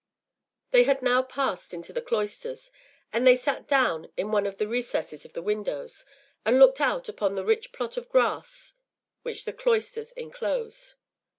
” They had now passed into the cloisters, and they sat down in one of the recesses of the windows, and looked out upon the rich plot of grass which the cloisters enclose.